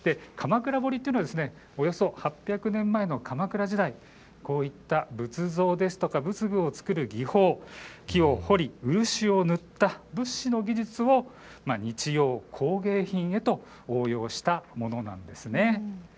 鎌倉彫というのはおよそ８００年前の鎌倉時代こういった仏像ですとか仏具を作る技法、木を彫り漆を塗った仏師の技術を日用工芸品へと応用したものなんです。